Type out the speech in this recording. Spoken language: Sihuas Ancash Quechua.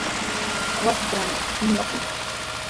Wasiitrawqa quñunmi.